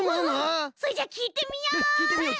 それじゃあきいてみよう！